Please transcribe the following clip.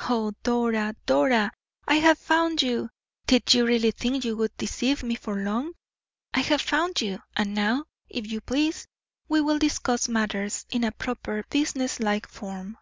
"Oh, Dora, Dora! I have found you. Did you really think you would deceive me for long? I have found you; and now, if you please, we will discuss matters in a proper business like form."